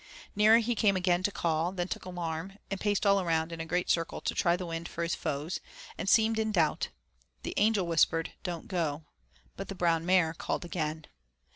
Nearer he came again to call, then took alarm, and paced all around in a great circle to try the wind for his foes, and seemed in doubt. The Angel whispered "Don't go." But the brown mare called again.